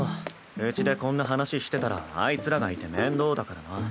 うちでこんな話してたらあいつらがいて面倒だからな。